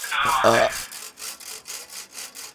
په خوب په ویښه به دریادېږم